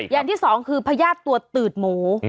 อย่างที่สองคือพญาติตัวตืดหมู